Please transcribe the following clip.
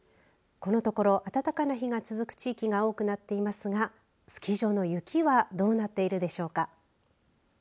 このところ、暖かな日が続く地域が多くなっていますがスキー場の雪はどうなっているでしょうか。